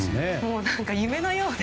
夢のようで。